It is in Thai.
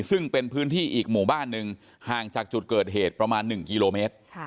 ซึ่งเป็นพื้นที่อีกหมู่บ้านหนึ่งห่างจากจุดเกิดเหตุประมาณ๑กิโลเมตร